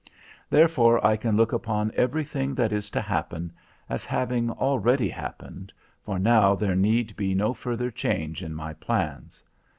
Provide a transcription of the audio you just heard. Therefore I can look upon everything that is to happen, as having already happened, for now there need be no further change in my plans.